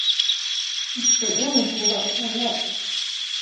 指令集的分类